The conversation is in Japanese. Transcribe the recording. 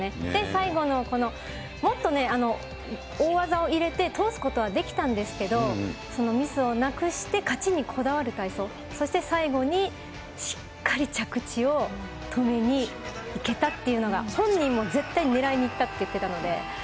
最後のこの、もっとね、大技を入れて通すことはできたんですけど、ミスをなくして、勝ちにこだわる体操、そして最後にしっかり着地を止めにいけたっていうのが、本人も絶対、ねらいにいったって言ってたので。